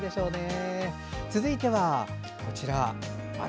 続いては、こちら。